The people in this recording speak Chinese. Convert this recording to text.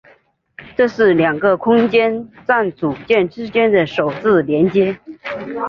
这是两个空间站组件之间的首次连接。